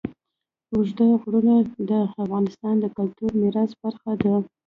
اوږده غرونه د افغانستان د کلتوري میراث برخه ده.